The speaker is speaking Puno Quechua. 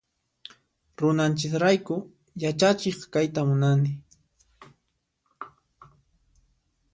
Runanchis rayku yachachiq kayta munani.